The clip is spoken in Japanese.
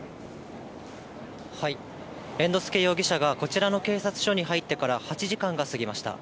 猿之助容疑者がこちらの警察署に入ってから８時間が過ぎました。